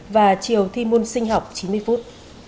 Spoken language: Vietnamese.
và chiều thi môn sinh học chín mươi phút